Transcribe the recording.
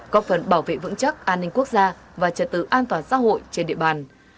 có phần bảo vệ vững chắc an ninh quốc gia và trật tự an toàn xã hội trên địa bàn